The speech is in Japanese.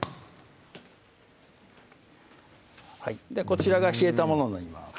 こちらが冷えたものになります